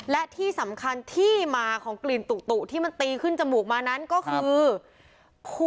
และที่สำคัญที่มาของกลิ่นตุที่มันตีขึ้นจมูกมานั้นก็คือ